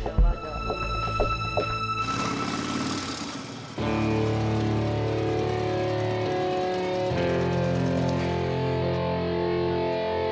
ya allah jangan